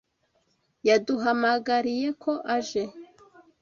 Yaduhamagariye ko aje.